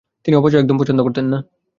তিনি অপচয় একদম পছন্দ করতেন না।